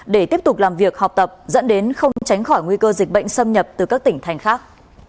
để tiếp tục làm việc học tập dẫn đến không tránh khỏi nguy cơ dịch bệnh xâm nhập từ các tỉnh thành khác